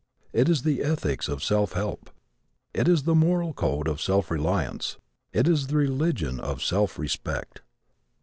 It is the ethics of self help. It is the moral code of self reliance. It is the religion of self respect.